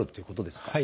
はい。